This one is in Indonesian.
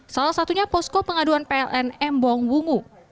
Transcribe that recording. salah satunya posko pengaduan pln m bong wungu